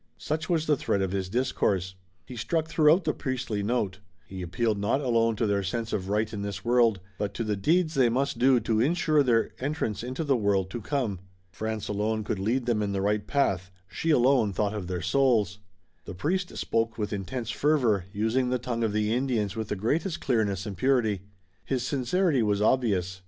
Such was the thread of his discourse. He struck throughout the priestly note. He appealed not alone to their sense of right in this world, but to the deeds they must do to insure their entrance into the world to come. France alone could lead them in the right path, she alone thought of their souls. The priest spoke with intense fervor, using the tongue of the Indians with the greatest clearness and purity. His sincerity was obvious.